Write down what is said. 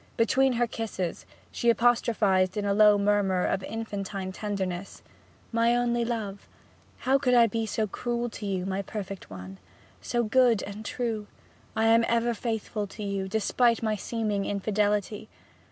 Between her kisses, she apostrophized it in a low murmur of infantine tenderness: 'My only love how could I be so cruel to you, my perfect one so good and true I am ever faithful to you, despite my seeming infidelity!